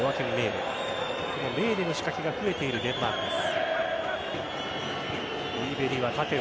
そのメーレの仕掛けが増えているデンマークです。